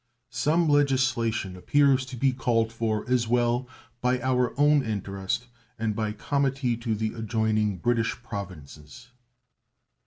Some legislation appears to be called for as well by our own interest as by comity to the adjoining British provinces.